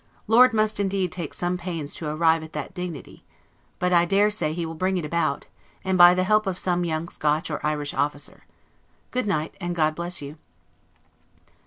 Lord must indeed take some pains to arrive at that dignity: but I dare say he will bring it about, by the help of some young Scotch or Irish officer. Good night, and God bless you!